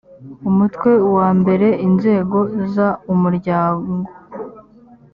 umutwe wa mbere inzego z umuryango